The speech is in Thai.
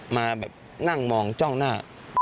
มาแบบนั่งมองจ้องหน้า